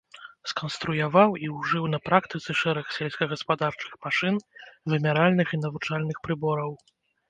Сканструяваў і ўжыў на практыцы шэраг сельскагаспадарчых машын, вымяральных і навучальных прыбораў.